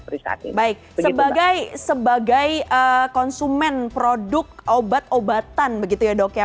baik sebagai konsumen produk obat obatan begitu ya dok ya